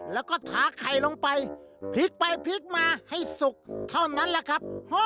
แล้วก็ถาไข่ลงไปพลิกไปพลิกมาให้สุกเท่านั้นแหละครับ